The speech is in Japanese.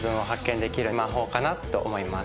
かなと思います。